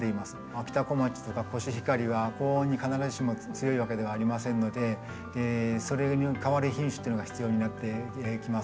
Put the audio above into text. あきたこまちとかコシヒカリは高温に必ずしも強いわけではありませんのでそれに代わる品種っていうのが必要になってきます。